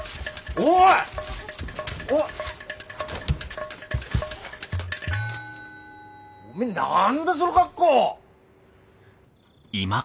おめえ何だその格好！